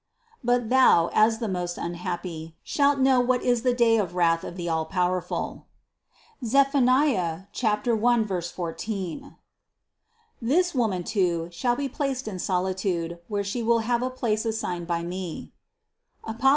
But thou, as the most unhappy, shalt know what is the day of the wrath of the Allpowerful (Sophon 1, 14). This Woman, too, shall be placed in solitude, where She will have a place assigned by Me" (Apos.